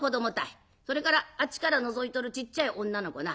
それからあっちからのぞいとるちっちゃい女の子な。